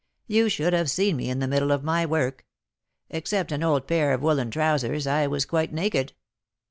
You should have seen me in the middle of my work! Except an old pair of woollen trousers, I was quite naked.